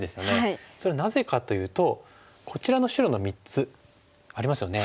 それはなぜかというとこちらの白の３つありますよね。